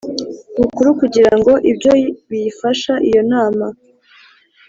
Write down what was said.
Bukuru kugira ngo ibyo biyifashe iyo nama